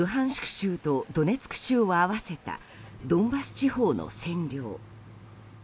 州とドネツク州を合わせたドンバス地方の占領。